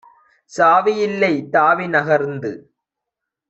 சாவி யில்லை; தாவி நகர்ந்து